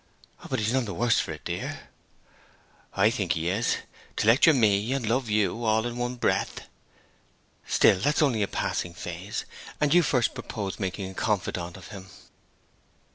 'But he's none the worse for it, dear.' 'I think he is to lecture me and love you, all in one breath!' 'Still, that's only a passing phase; and you first proposed making a confidant of him.'